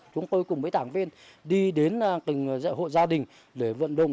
chúng tôi cùng với đảng viên đi đến từng hộ gia đình để vận động